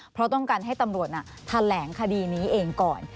เพราะต้องการให้ตำรวจแถลงคดีนี้เองก่อน